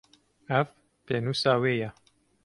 Ev, pênûsa wê ye.